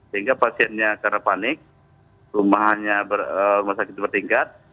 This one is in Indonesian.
sehingga pasiennya karena panik rumahnya rumah sakit bertingkat